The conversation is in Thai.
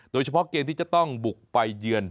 โดยเฉพาะเกมที่จะต้องบุกไปเยือน